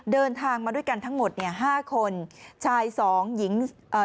เดินทางมาด้วยกันทั้งหมด๕คนชาย๓หญิง๒